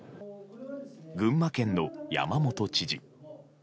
群馬県の山本知事。